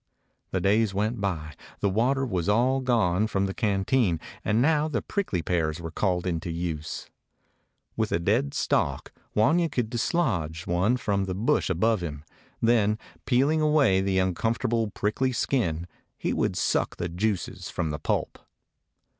The days went by. The water was all gone from the canteen, and now the prickly pears were called into use. With a dead stalk Wanya would dislodge one from the bush above him; then, peeling away the uncomfort able prickly skin, he would suck the juices from the pulp.